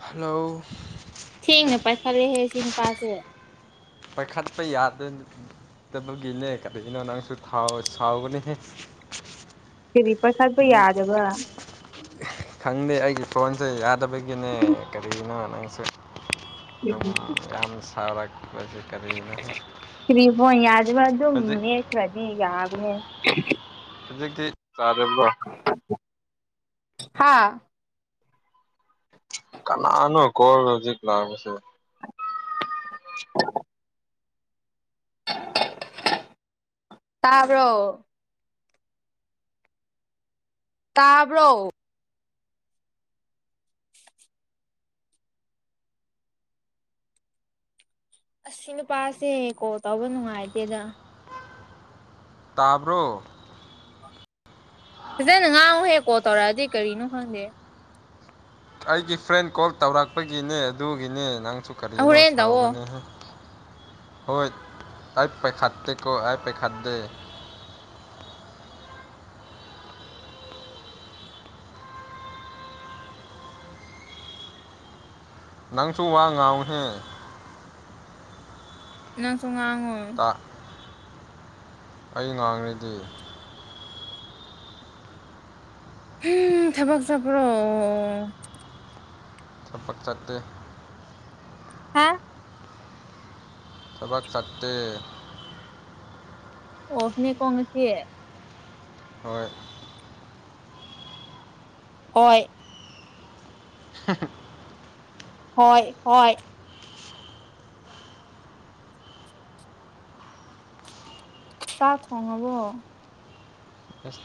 hello ꯊꯦꯡꯅ ꯄꯥꯏꯈꯠꯂꯦꯍꯦ ꯁꯤ ꯅꯨꯄꯥꯁꯦ ꯄꯥꯏꯈꯠꯄ ꯌꯥꯗꯕꯒꯤꯅꯦ ꯀꯔꯤꯒꯤꯅꯣ ꯅꯪꯁꯨ ꯁꯥꯎꯒꯅꯤ ꯀꯔꯤ ꯄꯈꯠꯄ ꯌꯥꯗꯕ ꯈꯪꯗꯦ ꯑꯩꯒꯤ ꯐꯣꯟꯁꯦ ꯌꯥꯗꯕꯒꯤꯅꯦ ꯀꯔꯤꯒꯤꯅꯣ ꯅꯪꯁꯨ ꯑꯗꯨꯝ ꯌꯥꯝ ꯁꯔꯥꯛꯖꯦ ꯀꯔꯤꯅ ꯐꯔꯤ ꯐꯣꯟ ꯌꯥꯗꯕ ꯑꯗꯨ ꯃꯦꯁꯋꯥꯗꯤꯒꯅꯦ ꯍꯧꯖꯤꯛꯇꯤ ꯆꯥꯔꯕ꯭ꯔꯣ ꯍꯥꯥ ꯀꯅꯥꯅꯣ ꯀꯣ ꯍꯧꯖꯤꯛ ꯂꯥꯛꯄꯁꯦ ꯇꯥꯕ꯭ꯔꯣ ꯇꯥꯕ꯭ꯔꯣ ꯑꯁꯤ ꯅꯨꯄꯥꯁꯦ ꯀꯣꯜ ꯇꯧꯕ ꯅꯨꯡꯉꯥꯏꯇꯦꯗ ꯇꯥꯕ꯭ꯔꯣ ꯐꯖꯅ ꯉꯥꯡꯉꯨꯍꯦ ꯀꯣꯜ ꯇꯧꯔꯛꯑꯗꯤ ꯀꯔꯤꯅꯣ ꯈꯪꯗꯦ ꯑꯩꯒꯤ ꯐ꯭ꯔꯦꯟ ꯀꯣꯜ ꯇꯧꯔꯛꯄꯒꯤꯅꯦ ꯑꯗꯨꯒꯤꯅꯦ ꯅꯪꯁꯨ ꯀꯔꯤꯅꯣ ꯍꯣꯔꯦꯟ ꯇꯧꯋꯣ ꯁꯥꯥꯎꯒꯅꯦ ꯍꯥꯏ ꯍꯣꯏ ꯑꯩ ꯄꯩꯈꯥꯗꯇꯀꯣ ꯑꯩ ꯄꯥꯢꯈꯥꯠꯗꯦ ꯅꯪꯁꯨ ꯋꯥ ꯉꯥꯡꯉꯨꯍꯦ ꯅꯪꯁꯨ ꯉꯥꯡꯉꯣ ꯇꯥ ꯑꯩ ꯉꯥꯡꯔꯗꯤ ꯎꯝ ꯊꯕꯥꯛ ꯆꯄ꯭ꯔꯣ ꯑꯣ ꯊꯕꯛ ꯆꯠꯇꯦ ꯍꯥ ꯊꯕꯛ ꯆꯠꯇꯦ ꯑꯣꯐꯅꯦꯀꯣ ꯉꯥꯁꯤ ꯍꯣꯏ ꯍꯣꯏ [unintelligible] ꯍꯣꯏ ꯍꯣꯏ ꯆꯥꯛ ꯊꯣꯡꯉꯕꯣ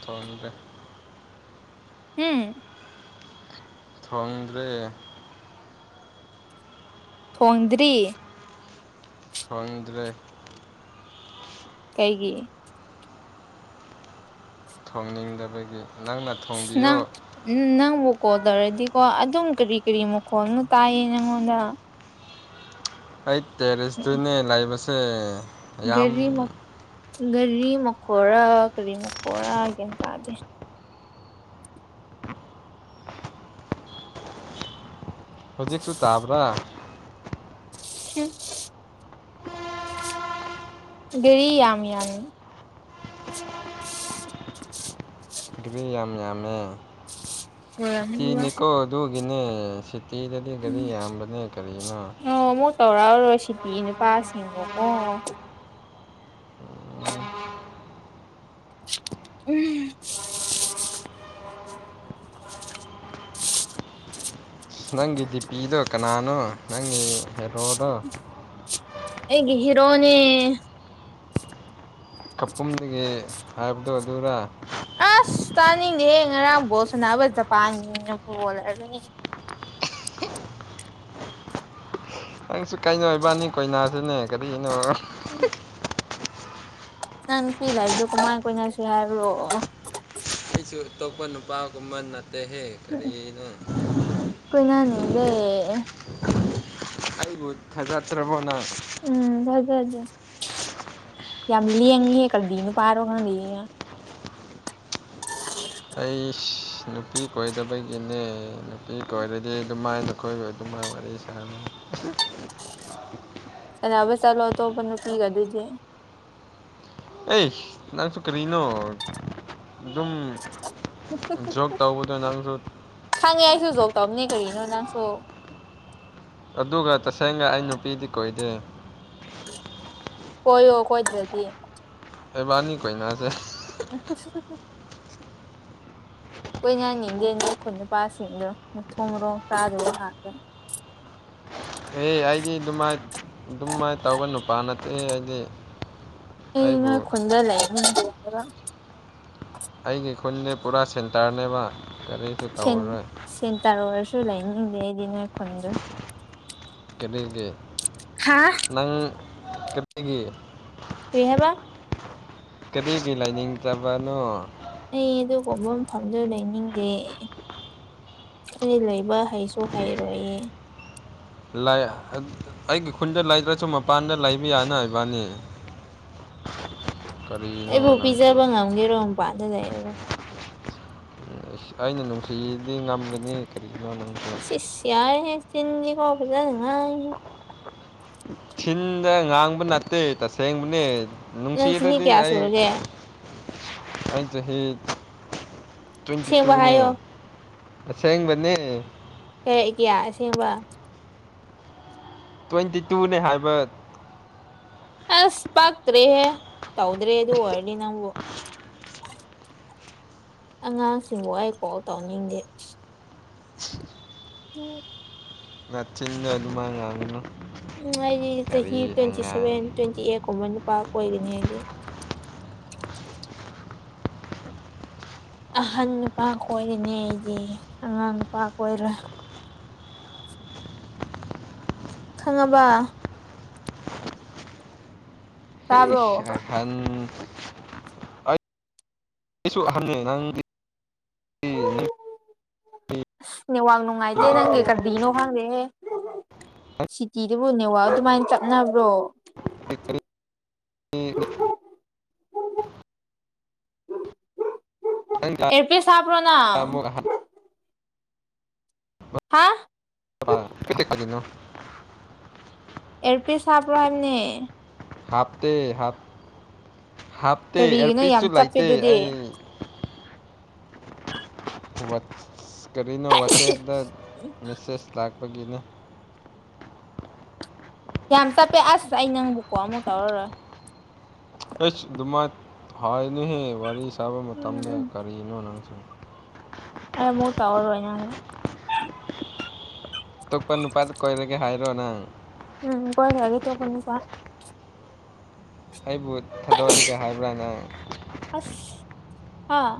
ꯊꯣꯡꯗꯦ ꯎꯝ ꯊꯣꯡꯗ꯭ꯔꯦ ꯊꯣꯡꯗ꯭ꯔꯤ ꯊꯣꯡꯗ꯭ꯔꯦ ꯀꯩꯒꯤ ꯊꯣꯡꯅꯤꯡꯗꯕꯒꯤ ꯅꯪꯅ ꯊꯣꯡꯕꯤꯌꯨ ꯎꯝ ꯅꯪꯕꯨ ꯀꯣꯜ ꯇꯧꯔꯗꯤꯀꯣ ꯑꯗꯨꯝ ꯀꯔꯤ ꯀꯔꯤ ꯃꯈꯣꯜꯅ ꯇꯥꯏꯌꯦ ꯅꯪꯉꯣꯟꯗ ꯑꯩ ꯇꯦꯔꯦꯁꯇꯅꯦ ꯂꯩꯕꯁꯦ ꯌꯥꯝ ꯒꯥꯔꯤ ꯒꯥꯔꯤ ꯃꯈꯣꯔꯥ ꯀꯔꯤ ꯃꯈꯣꯔꯥ ꯒꯤꯌꯥꯟ ꯇꯥꯗꯦ ꯍꯧꯖꯤꯛꯁꯨ ꯇꯥꯥꯕ꯭ꯔꯥ [unintelligible] ꯒꯥꯔꯤ ꯌꯥꯝ ꯌꯥꯝ ꯒꯥꯔꯤ ꯌꯥꯝ ꯌꯥꯝꯃꯦ ꯎꯔꯝꯅꯤꯕ ꯁꯤꯇꯤꯅꯤꯀꯣ ꯑꯗꯨꯒꯤꯅꯦ ꯁꯤꯇꯤꯗꯗꯤ ꯒꯔꯤ ꯌꯥꯝꯕꯅꯦ ꯀꯔꯤꯅꯣ ꯑꯣ ꯑꯃꯨꯛ ꯇꯧꯔꯛꯑꯔꯣꯏ ꯁꯤꯗꯤ ꯅꯨꯄꯥꯁꯤꯡꯕꯨꯀꯣ [unintelligible] ꯎꯝ ꯅꯪꯒꯤ ꯗꯤꯄꯤꯗꯣ ꯀꯅꯥꯅꯣ ꯅꯪꯒꯤ ꯍꯦꯔꯣꯔꯣ ꯑꯩꯒꯤ ꯍꯤꯔꯣꯅꯤ ꯀꯄꯨꯝꯗꯒꯤ ꯍꯥꯏꯕꯗꯣ ꯑꯗꯨꯔ ꯑꯁ ꯇꯥꯅꯤꯡꯗꯦꯍꯦ ꯉꯔꯥꯡ ꯕꯣꯜ ꯁꯥꯟꯅꯕ ꯖꯄꯥꯟꯒꯤ ꯐꯨꯠꯕꯣꯂꯔꯗꯨꯅꯤ ꯅꯪꯁꯨ ꯀꯥꯏꯅꯧ ꯑꯣꯏꯕꯅꯤꯛ ꯀꯣꯏꯅꯥꯁꯤꯅꯦ ꯀꯔꯤꯅꯣ ꯎꯝ ꯅꯪ ꯅꯨꯄꯤ ꯂꯩꯕꯗꯨ ꯀꯃꯥꯏ ꯀꯨꯏꯅꯁꯤ ꯍꯥꯏꯕ꯭ꯔꯣ ꯑꯩꯁꯨ ꯑꯇꯣꯞꯄ ꯅꯨꯄꯥꯒꯨꯝꯕ ꯅꯠꯇꯦꯍꯦ ꯀꯔꯤꯅꯣ ꯀꯣꯏꯅꯅꯤꯡꯗꯦ ꯑꯩꯕꯨ ꯊꯖꯗ꯭ꯔꯕꯣ ꯅꯪ ꯎꯝ ꯊꯥꯖꯗꯦ ꯌꯥꯝ ꯂꯦꯡꯉꯤꯍꯦ ꯀꯔꯤ ꯅꯨꯄꯥꯔꯣ ꯈꯪꯗꯦ [unintelligible] ꯑꯩꯁ ꯅꯨꯄꯤ ꯀꯣꯏꯗꯕꯒꯤꯅꯦ ꯅꯨꯄꯤ ꯀꯣꯏꯔꯗꯤ ꯑꯗꯨꯃꯥꯏꯅ ꯑꯩꯈꯣꯏꯒꯤ ꯑꯗꯨꯃꯥꯏ ꯋꯥꯔꯤ ꯁꯥꯥꯟꯅ ꯁꯅꯥꯕ ꯆꯠꯂꯣ ꯑꯇꯣꯞꯄ ꯅꯨꯄꯤꯒ ꯑꯗꯨꯗꯤ ꯑꯦꯁ ꯅꯪꯁꯨ ꯀꯔꯤꯅꯣ ꯑꯗꯨꯝ ꯖꯣꯛ ꯇꯧꯕꯗ ꯅꯪꯁꯨ ꯈꯪꯉꯦ ꯑꯩꯁꯨ ꯖꯣꯛ ꯇꯕꯅꯦ ꯀꯔꯤꯅꯣ ꯅꯪꯁꯨ ꯑꯗꯨꯒ ꯇꯁꯦꯡꯅ ꯑꯩ ꯅꯨꯄꯤꯗꯤ ꯀꯣꯏꯗꯦ ꯀꯣꯏꯑꯣ ꯀꯣꯏꯗꯔꯗꯤ ꯏꯕꯥꯅꯤ ꯀꯣꯏꯅꯥꯁꯦ [unintelligible] ꯀꯣꯏꯅꯅꯤꯡꯗꯦ ꯅꯣꯏ ꯈꯨꯟ ꯅꯨꯄꯥꯁꯤꯡꯗꯣ ꯃꯊꯣꯡ ꯃꯔꯣꯡ ꯆꯥꯗꯕ ꯉꯥꯛꯇꯅ ꯑꯦ ꯑꯩꯗꯤ ꯑꯗꯨꯃꯥꯏꯅ ꯑꯗꯨꯃꯥꯏꯅ ꯇꯧꯕ ꯅꯨꯄꯥ ꯅꯠꯇꯦ ꯑꯩꯗꯤ ꯑꯩꯅ ꯑꯩꯕꯨ ꯈꯨꯟꯗ ꯂꯩꯕ ꯑꯩꯒꯤ ꯈꯨꯟꯅꯦ ꯄꯨꯔꯥ ꯁꯦꯟꯇꯔꯅꯦꯕ ꯀꯔꯤꯁꯨ ꯇꯧꯔꯔꯣꯏ ꯁꯦꯟꯇꯥꯔ ꯑꯣꯏꯔꯁꯨ ꯂꯩꯅꯤꯡꯗꯦ ꯑꯩꯗꯤ ꯅꯣꯏ ꯈꯨꯟꯗꯣ ꯀꯔꯤꯒꯤ ꯍꯥꯥ ꯅꯪ ꯀꯔꯤꯒꯤ ꯀꯔꯤꯍꯥꯏꯕ ꯀꯔꯤꯒꯤ ꯂꯩꯅꯤꯡꯗꯕꯅꯣ ꯑꯩ ꯑꯗꯨꯒꯨꯝꯕ ꯃꯐꯝꯗ ꯂꯩꯅꯤꯡꯗꯦ ꯑꯩ ꯂꯩꯕ ꯍꯩꯁꯨ ꯍꯩꯔꯣꯏꯌꯦ ꯑꯩꯒꯤ ꯈꯨꯟꯗ ꯂꯩꯗ꯭ꯔꯁꯨ ꯃꯄꯥꯟꯗ ꯂꯩꯕ ꯌꯥꯅ ꯏꯕꯥꯅꯤ ꯑꯩꯕꯨ ꯀꯔꯤꯅꯣ ꯅꯪꯁꯨ ꯄꯤꯖꯕ ꯉꯝꯒꯦꯔꯣ ꯃꯄꯥꯟꯗ ꯂꯩꯔꯒ ꯎ ꯑꯩꯅ ꯅꯨꯡꯁꯤꯗꯤ ꯉꯝꯒꯅꯤ ꯀꯔꯤꯒꯤꯅꯣ ꯅꯨꯡ ꯁꯤꯁ ꯌꯔꯦꯍꯦ ꯆꯤꯟꯗꯤꯀꯣ ꯐꯖꯅꯥ ꯉꯥꯡꯏ ꯊꯤꯟꯗ ꯉꯥꯡꯕ ꯅꯠꯇꯦ ꯇꯁꯦꯡꯕꯅꯦ ꯅꯪ ꯆꯍꯤ ꯅꯨꯡꯁꯤꯔꯕꯗꯤ ꯀꯌꯥ ꯑꯩ ꯁꯨꯔꯒꯦ ꯑꯩꯅ ꯆꯍꯤ ꯇ꯭ꯋꯦꯟꯇꯤ ꯑꯁꯦꯡꯕ ꯇꯨꯅꯦ ꯍꯥꯏꯌꯣ ꯑꯁꯦꯡꯕꯅꯤ [unintelligible] ꯑꯁꯦꯡꯕ ꯇ꯭ꯋꯦꯟꯇꯤ ꯇꯨꯅꯦ ꯍꯥꯏꯕ ꯑꯁ ꯄꯛꯇ꯭ꯔꯦ ꯇꯧꯗ꯭ꯔꯦ ꯑꯗꯨ ꯑꯣꯏꯔꯗꯤ ꯅꯪꯕꯨ ꯑꯉꯥꯡꯁꯤꯡꯕꯨ ꯑꯩ ꯀꫭꯜ ꯇꯧꯅꯤꯡꯗꯦ ꯎꯝ ꯅꯆꯤꯟꯗꫭ ꯑꯗꯨꯃꯥꯏ ꯉꯥꯡꯒꯅꯨ ꯎꯝ ꯑꯩꯗꯤ ꯆꯍꯤ ꯀꯔꯤ ꯇ꯭ꯋꯦꯟꯇꯤ ꯑꯉꯥꯡ ꯁꯦꯚꯦꯟ ꯇ꯭ꯋꯦꯟꯇꯤ ꯑꯩꯠ ꯀꯨꯝꯕ ꯅꯨꯄꯥ ꯀꯣꯏꯒꯅꯤ ꯑꯩꯗꯤ ꯑꯍꯟ ꯅꯨꯄꯥ ꯀꯣꯏꯔꯅꯤ ꯑꯩꯗꯤ ꯑꯉꯥꯡ ꯅꯨꯄꯥ ꯀꯣꯏꯔꯣꯏ ꯈꯪꯉꯕ ꯇꯥꯕ꯭ꯔꯣ ꯑꯍꯥꯥꯟ ꯑꯩꯁꯨ ꯑꯍꯟꯅꯦ ꯅꯪ ꯑꯁ ꯅꯦꯠꯋꯥꯡ ꯅꯨꯡꯉꯥꯏꯇꯦ ꯅꯪꯒꯤ ꯀꯔꯤꯅꯣ ꯈꯪꯗꯦꯍꯦ ꯁꯤꯇꯤꯗꯨꯕꯨ ꯅꯦꯋꯥꯛ ꯑꯗꯨꯃꯥꯏꯅ ꯆꯞꯅꯕ꯭ꯔꯣ [unintelligible] ꯑꯦꯔꯄꯤꯁ ꯍꯥꯞꯄ꯭ꯔꫭ ꯅꯪ ꯍꯥ [unintelligible] ꯑꯦꯔꯄꯤꯁ ꯍꯥꯞꯞꯔꯣ ꯍꯥꯏꯝꯅꯦ ꯍꯥꯞꯇꯦ ꯍꯥꯞꯇꯦ ꯀꯔꯤꯒꯤꯅꯣ ꯌꯥꯝ ꯑꯦꯔꯄꯤꯁꯁꯨ ꯆꯞꯄꯦ ꯂꯩꯇꯦ ꯑꯗꯨꯗꯤ ꯑꯩ ꯀꯔꯤꯅꯣ ꯋꯥꯆꯦꯞꯇ ꯃꯦꯁꯦꯖ ꯂꯥꯛꯄꯒꯤꯅꯦ ꯌꯥꯝ ꯆꯞꯄꯦ ꯑꯁ ꯑꯩ ꯅꯪꯕꯨ ꯀꯣꯜ ꯑꯃꯨꯛ ꯇꯧꯔꯔꯣꯏ ꯑꯩꯁ ꯗꯨꯃꯥꯏ ꯍꯥꯏꯅꯨꯍꯦ ꯋꯥꯔꯤ ꯁꯥꯕ ꯎꯝ ꯃꯇꯝꯗ ꯎꯝ ꯀꯔꯤꯅꯣ ꯅꯪꯁꯨ ꯑꯩ ꯑꯃꯨꯛ ꯇꯧꯔꯔꯣꯏ ꯅꯪ ꯑꯇꯣꯞꯄ ꯅꯨꯄꯥꯗ ꯀꯣꯏꯔꯒꯦ ꯍꯥꯏꯔꯣ ꯅꯪ ꯎꯝ ꯀꯣꯏꯈꯔꯒꯦ ꯑꯇꯣꯞꯄꯥ ꯅꯨꯄꯥ ꯑꯩꯕꯨ ꯊꯥꯗꯣꯛꯔꯒꯦ ꯍꯥꯏꯕ꯭ꯔꯥ ꯅꯪ ꯑꯁ ꯍꯥꯥ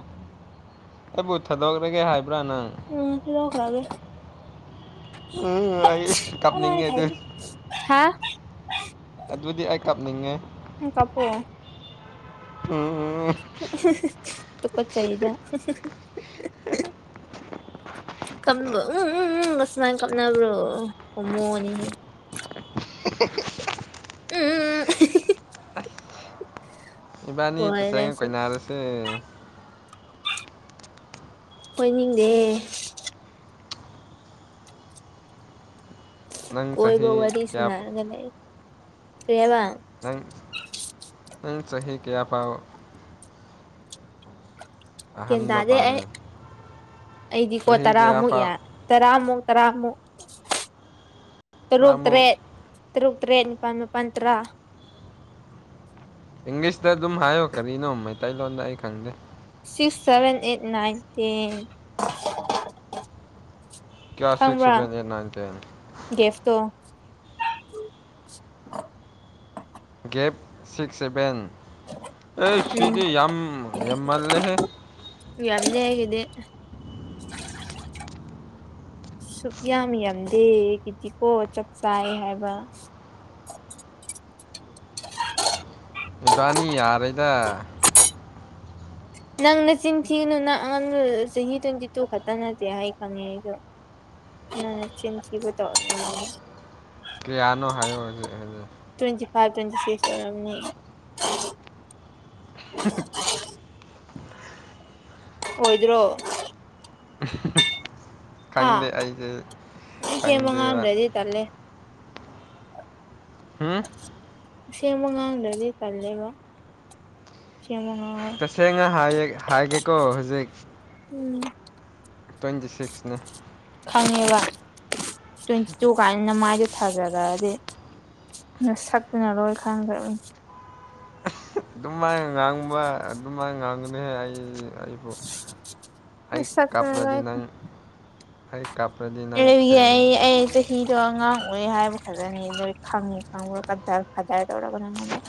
ꯑꯩꯕꯨ ꯊꯥꯗꯣꯛꯈ꯭ꯔꯒꯦ ꯍꯥꯏꯕ꯭ꯔꯥ ꯅꯪ ꯎꯝ [unintelligible] ꯎꯝ ꯑꯩ ꯀꯞꯅꯤꯡꯏꯗ ꯍꯥꯥ ꯑꯗꯨꯗꯤ ꯑꯩ ꯀꯞꯅꯤꯡꯉꯦ [unintelligible] ꯎꯝ ꯎꯝ ꯇꯨꯀꯠꯆꯩꯗ [unintelligible] ꯁꯨꯃꯥꯏꯅ ꯀꯞꯅꯕ꯭ꯔꯣ ꯍꯣꯃꯣꯅꯤ [unintelligible] [unintelligible] ꯏꯕꯥꯅꯤ ꯇꯁꯦꯡꯅ ꯑꯣꯏꯔꯁꯨ ꯀꯣꯏꯅꯥꯔꯁꯦ ꯀꯣꯏꯅꯤꯡꯗꯦ ꯅꯪ ꯀꯣꯏꯕ ꯆꯍꯤ ꯋꯥꯔꯤ ꯀꯌꯥ ꯁꯅꯔꯒꯅꯦ ꯀꯦꯕ ꯅꯪ ꯅꯪ ꯆꯍꯤ ꯀꯌꯥꯄꯥꯥꯎ ꯀꯦꯟ ꯑꯍꯟꯕ ꯇꯗꯦ ꯑꯩ ꯄꯥꯝꯃꯦ ꯑꯩꯗꯤ ꯀꯣ ꯆꯍꯤ ꯀꯌꯥ ꯇꯔꯥꯃꯨꯛ ꯌꯥ ꯐꯥꯎ ꯇꯔꯥꯃꯨꯛ ꯇꯔꯥꯃꯨꯛ ꯇꯔꯨꯛ ꯇꯔꯥꯃꯨꯛ ꯇꯔꯦꯠ ꯇꯔꯨꯛ ꯇꯔꯦꯠ ꯅꯤꯄꯥꯜ ꯃꯄꯜ ꯇꯔꯥ ꯏꯪꯂꯤꯁꯇ ꯑꯗꯨꯝ ꯍꯥꯏꯌꯣ ꯀꯔꯤꯅꯣ ꯃꯩꯇꯩꯂꯣꯟꯗ ꯑꯩ ꯈꯪꯗꯦ six seven eight nine ten ꯀꯌꯥ ꯁꯤꯦꯛꯁꯕꯦꯟꯅ ꯌꯦꯅꯥꯟꯇꯅ ꯦꯐꯇꯣ ꯒꯦꯞ ꯁꯤꯛꯁ ꯁꯚꯦꯟ ꯑꯦ ꯎꯝ ꯁꯤꯗꯤ ꯌꯥꯝ ꯌꯥꯝ ꯃꯥꯜꯂꯦꯍꯦ ꯌꯥꯔꯗꯦ ꯍꯦꯒꯗꯤ ꯁꯨꯛ ꯌꯥꯝ ꯌꯥꯝꯗꯦ ꯀꯤꯗꯤꯀꯣ ꯆꯥꯛ ꯆꯥꯏ ꯍꯥꯏꯕ ꯑꯦꯕꯥꯅꯤ ꯑꯔꯩꯗ ꯅꯪꯅ ꯆꯤꯟ ꯊꯤꯅꯨ ꯅꯪ ꯑꯉꯥꯡ ꯆꯍꯤ ꯇ꯭ꯋꯦꯟꯇꯤ ꯇꯨ ꯈꯛꯇ ꯅꯠꯇꯦ ꯑꯩ ꯈꯪꯉꯦ ꯑꯩꯗꯣ ꯎ ꯆꯤꯟꯊꯤꯕ ꯇ ꯀꯌꯥꯅꯣ ꯍꯥꯏꯌꯣ ꯍꯧꯖꯤꯛ ꯍꯧꯖꯤꯛ ꯇ꯭ꯋꯦꯟꯇꯤ ꯐꯥꯏꯚ ꯇ꯭ꯋꯦꯟꯇꯤ ꯁꯤꯛꯁ ꯑꯣꯏꯔꯝꯅꯤ ꯑꯣꯏꯣꯏꯗ꯭ꯔꯣ ꯍꯥ ꯈꯪꯗꯦ ꯑꯩꯁꯦ ꯈꯪꯗꯦꯕ ꯆꯂꯦ ꯍꯨꯝ ꯁꯦꯝꯃ ꯉꯥꯡꯗ꯭ꯔꯗꯤ ꯆꯜꯂꯦꯕ ꯇꯁꯦꯡꯅ ꯍꯥꯏ ꯍꯥꯏꯒꯦꯀꯣ ꯍꯧꯖꯤꯛ ꯎꯝ ꯇ꯭ꯋꯦꯟꯇꯤ ꯁꯤꯛꯁꯅꯦ ꯈꯪꯉꯦꯕ ꯇ꯭ꯋꯦꯟꯇꯤ ꯇꯨ ꯀꯥꯏꯗꯅ ꯃꯥꯏꯗ ꯊꯥꯖꯔꯛꯑꯗꯤ ꯅ ꯁꯛꯇꯅꯔꯣꯏ ꯈꯪꯗ꯭ꯔꯅꯤ ꯑꯗꯨꯃꯥꯏꯅ ꯉꯥꯡꯕ ꯑꯗꯨꯃꯥꯏꯅ ꯉꯥꯡꯒꯅꯤꯍ ꯑꯩ ꯑꯩ ꯅꯁꯛꯇꯨꯅ ꯂꯣꯏ ꯀꯥꯞ꯭ꯔꯗꯤ ꯅꯪ ꯑꯩ ꯀꯥꯞꯄ꯭ꯔꯗꯤ ꯅꯪ ꯊꯦꯡ ꯐꯤꯗꯣ ꯑꯉꯥꯡ ꯑꯣꯏꯦ ꯍꯥꯏꯕ ꯈꯖꯅꯤ ꯂꯣꯏ ꯈꯪꯉꯤ ꯈꯪꯉꯨꯔꯒ ꯈꯗꯥꯏ ꯇꯧꯔꯒꯅ ꯉꯝꯃꯦꯦ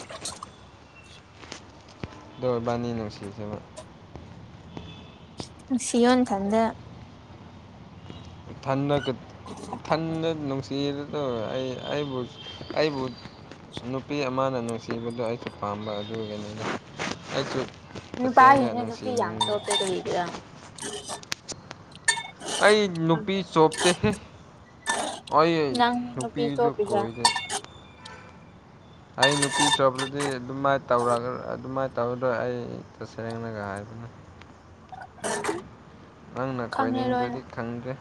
ꯗꯣꯏꯕꯥꯅꯤ ꯅꯨꯡꯁꯤꯖꯕ ꯁꯤꯌꯣꯟꯅ ꯊꯗꯦ ꯏꯊꯟꯅ ꯏꯊꯟꯅ ꯅꯨꯡꯁꯤꯅ ꯑ ꯑꯩ ꯑꯩꯕꯨ ꯑꯩꯕꯨꯠ ꯅꯨꯄꯤ ꯑꯃꯅ ꯅꯨꯡꯁꯤꯕꯗꯣ ꯑꯩꯁꯨ ꯄꯥꯝꯕ ꯑꯗꯨꯒꯤꯅꯤꯅ ꯑꯩꯁꯨ ꯇꯁꯦꯡꯅ ꯅꯨꯄꯥꯁꯤꯅꯦ ꯅꯨꯄꯤ ꯌꯥꯝ ꯅꯨꯡꯁꯤꯅꯤꯡꯕ ꯆ‌ꯣꯞꯄ‌ꯦ ꯀꯔꯤꯒꯤꯔꯥ ꯑꯩ ꯅꯨꯄꯤ ꯆꯣꯄꯇ ꯍ‌ꯦ ꯑꯩ ꯅꯪꯅꯤ ꯅꯨꯄꯤ ꯅꯨꯄꯤꯁꯨ ꯆꯣꯞꯄꯤꯁꯦ ꯀꯣꯏꯗꯦ ꯑꯩ ꯅꯨꯄꯤ ꯆꯣꯄ꯭ꯔꯗꯤ ꯑꯗꯨꯃꯥꯏꯅ ꯇꯧꯔꯒ ꯑꯗꯨꯃꯥꯏꯅ ꯇꯧꯕꯗꯣ ꯑꯩ ꯇꯁ‌ꯦꯡꯅꯒ ꯍꯥꯏꯕꯅꯦ ꯅꯪꯅ ꯈꯪꯉꯦ ꯂꯣꯏꯅ ꯀꯣꯏꯅꯤꯡꯗ꯭ꯔꯗꯤ ꯈꯪꯗ꯭ꯔꯦ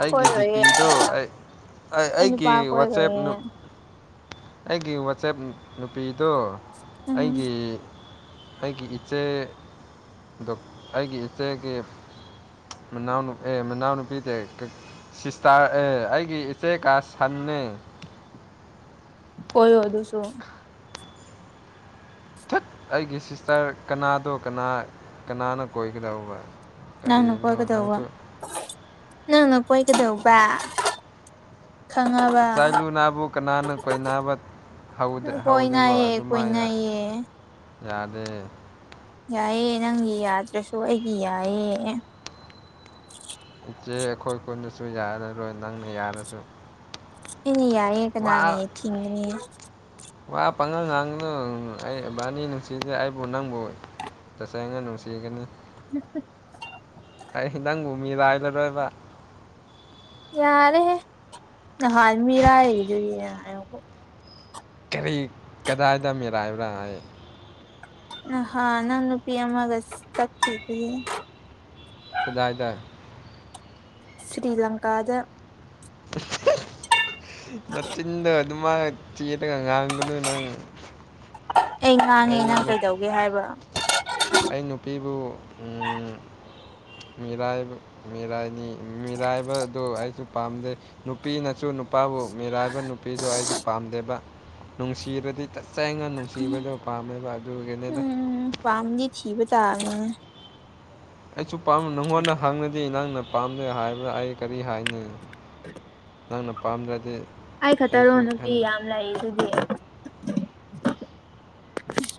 ꯑꯩꯒꯤ ꯗꯤ ꯀꯣꯏꯔꯣꯏꯌꯦ ꯄꯤꯗꯨ ꯑꯩ ꯑꯩ ꯑꯩꯒꯤ ꯅꯨꯄꯥ ꯋꯥꯆꯦꯞ ꯀꯣꯏꯔꯣꯏꯌꯦ ꯑꯩꯒꯤ ꯋꯥꯆꯦꯞ ꯅꯨꯄꯤꯗꯨꯣ ꯎꯝ ꯑꯩꯒꯤ ꯑꯩꯒꯤ ꯏꯆꯦ ꯑꯩꯒꯤꯗ‌ꯣ ꯏꯆꯦꯒꯤ ꯃꯅꯥꯎ ꯑꯦ ꯃꯅꯥꯎꯅ ꯄꯤꯇ [unintelligible] ꯁꯤꯁꯇꯥꯔ ꯑꯦ ꯑꯩꯒꯤ ꯏꯆꯦ ꯀ ꯁꯟꯅꯦ ꯀꯣꯏ ꯑꯣ ꯑꯗꯨꯁꯨ ꯏꯊꯠ ꯑꯩꯒꯤ ꯁꯤꯁꯇꯔ ꯀꯅꯥꯗꯣ ꯀꯅꯥ ꯀꯅꯥꯅ ꯀꯣꯏꯒꯗꯧꯕ ꯅꯪꯅ ꯀꯔꯤꯅꯣ ꯀꯣꯏꯒꯗꯧꯕ ꯅꯪꯁꯨ ꯅꯪꯅ ꯀꯣꯏꯒꯗꯧꯕ ꯈꯪꯉꯕ ꯆꯠꯂꯨ ꯅꯥꯕꯨ ꯀꯅꯥꯅ ꯀꯣꯏ ꯅꯥꯕ ꯍꯧ ꯗꯧꯗꯕ ꯀꯣꯏꯅꯩꯌꯦ ꯑꯗꯨ ꯃꯥ ꯀꯣꯏꯅꯩꯌꯦ ꯌꯥꯗꯦ ꯌꯥꯏꯑꯦ ꯅꯪꯒꯤ ꯌꯥꯗ꯭ꯔꯁꯨ ꯑꯩꯒꯤ ꯌꯥꯏꯌꯦ ꯏꯆꯦ ꯑꯩꯈꯣꯏ ꯀꯨꯟꯗꯁꯨ ꯌꯥꯔꯔꯣꯏ ꯅꯪꯅ ꯌꯥꯔꯁꯨ ꯑꯦꯅꯦ ꯌꯥꯔꯦ ꯀꯅꯥꯅꯤ ꯋꯥ ꯊꯤꯡꯒꯅꯤ ꯋꯥ ꯄꯥꯉꯪ ꯉꯥꯡꯅ ꯑꯩ ꯏꯕꯥꯅꯤ ꯅꯨꯡꯁꯤꯖꯦ ꯑꯩꯕꯨ ꯅꯪꯕꯨ ꯇꯁꯦꯡꯅ ꯅꯨꯡꯁꯤꯒꯅꯤ ꯑꯩ ꯅꯪꯕꯨ ꯃꯤꯔꯥꯏꯔꯔꯣꯏꯕ ꯌꯥꯔꯦꯍ‌ꯦ ꯅꯍꯥꯟꯃꯤꯔꯥꯏꯔꯤꯗꯨꯅꯤ ꯀꯔꯤ ꯀꯗꯥꯏꯗ ꯃꯤꯔꯥꯏꯕꯔ ꯍꯥꯏ ꯅꯍꯥꯟ ꯅꯪ ꯅꯨꯄꯤ ꯑꯃꯒ ꯆꯠꯈ‍꯭ꯔꯗꯤ ꯀꯗꯥꯏꯗ ꯁꯔꯤ ꯂꯪꯀꯥꯗ [unintelligible] ꯅꯆꯤꯟꯗ ꯑꯗꯨꯃꯥꯏꯅ ꯆꯤꯔꯒ ꯉꯥꯡꯒꯅꯨ ꯅꯪ ꯑꯩ ꯉꯥꯡꯉꯦ ꯑꯩ ꯅꯪ ꯀꯩꯗꯧꯒꯦ ꯍꯥꯏꯕ ꯑꯩ ꯅꯨꯄꯤꯕꯨ [unintelligible] ꯃꯤꯔꯥꯏꯕ ꯃꯤꯔꯥꯏꯅꯤ ꯃꯤꯔꯥꯏꯕꯗꯨ ꯑꯩꯁꯨ ꯄꯥꯝꯖꯩ ꯅꯨꯄꯤꯅꯁꯨ ꯅꯨꯄꯥꯕꯨ ꯃꯤꯔꯥꯏꯕ ꯅꯨꯄꯤꯁꯨ ꯑꯩꯁꯨ ꯄꯥꯝꯗꯦꯕ ꯅꯨꯡꯁꯤꯔꯗꯤ [unintelligible] ꯆꯁ‌ꯦꯡꯅ ꯅꯨꯡꯁꯤꯕꯗꯨ ꯄꯥꯝꯃꯦꯕ ꯑꯗꯨꯒꯤꯅꯤꯗ ꯎꯝ ꯄꯥꯝꯗꯤ ꯊꯤꯕ ꯇꯥꯔꯅꯤꯅꯦ ꯑꯩꯁꯨ ꯄꯥꯝꯕ ꯅꯪꯉꯣꯟꯗ ꯍꯪꯅꯗꯤ ꯅꯪꯅ ꯄꯥꯝꯗꯦ ꯍꯥꯏꯕꯥ ꯑꯩ ꯀꯔꯤ ꯍꯥꯏꯅꯤ ꯄ [inaudible] ꯅꯪꯅ ꯄꯥꯝꯗ꯭ꯔꯗꯤ ꯑꯩ ꯈꯛꯇꯔꯣ ꯑꯩꯁꯨ ꯅꯨꯄꯤ ꯍꯟ ꯌꯥꯝ ꯂꯩ ꯑꯗꯨꯗꯤ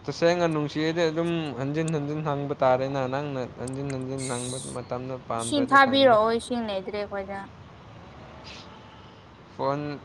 ꯇꯁꯦꯡꯅ ꯅꯨꯡꯁꯤꯔꯗꯤ ꯑꯗꯨꯝ ꯍꯟꯖꯤꯟ ꯍꯟꯖꯤꯟ ꯍꯪꯕ ꯇꯥꯔꯦꯅ ꯅꯪꯅ ꯍꯟꯖꯤꯟ ꯍꯟꯖꯤꯟ ꯅꯪꯕ ꯃꯇꯝꯗ ꯏꯁꯤꯡ ꯄꯥꯝꯗ꯭ꯔꯗꯤ ꯈꯪꯗꯦ ꯊꯥꯕꯤꯔꯛꯑꯣ ꯏꯁꯤꯡ ꯂꯩꯗ꯭ꯔꯦ ꯑꯩꯈꯣꯏꯗ ꯐꯣꯟ